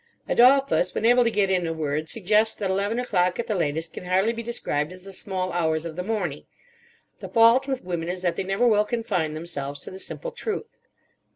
Adolphus, when able to get in a word, suggests that eleven o'clock at the latest can hardly be described as the "small hours of the morning": the fault with women is that they never will confine themselves to the simple truth.